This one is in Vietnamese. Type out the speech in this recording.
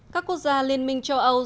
các quốc gia liên minh châu âu